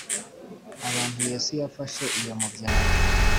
abantu Yesu yafashe iyo mu byaro